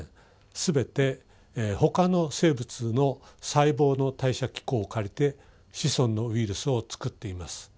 全て他の生物の細胞の代謝機構を借りて子孫のウイルスをつくっています。